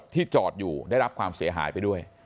จอดอยู่ได้รับความเสียหายไปด้วย